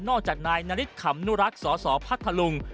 จากนายนาริสขำนุรักษ์สสพัทธลุง